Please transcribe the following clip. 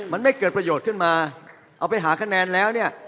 มันไม่เกิดประโยชน์ขึ้นมาเอาไปหาคะแนนแล้วเนี่ย